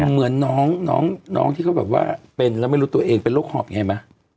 เหมือนน้องที่เขาแบบว่าเป็นแล้วไม่รู้ตัวเองเป็นโรคหอบยังไงไหม